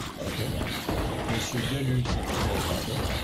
Monsieur Galut, s’il vous plaît.